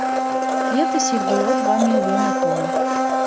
Летась іх было два мільёна тон.